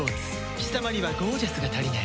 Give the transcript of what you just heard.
貴様にはゴージャスが足りない。